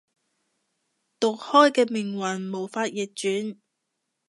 毒開嘅命運無法逆轉